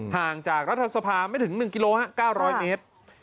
ห่างจากรัฐสภาไม่ถึง๑กิโล๙๐๐เมตร